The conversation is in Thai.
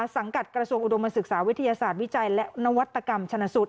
สังกัดกระทรวงอุดมศึกษาวิทยาศาสตร์วิจัยและนวัตกรรมชนสูตร